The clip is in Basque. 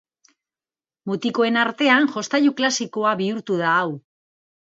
Mutikoen artean jostailu klasikoa bihurtu da hau.